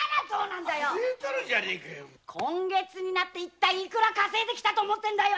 今月になって幾ら稼いできたと思ってんだよ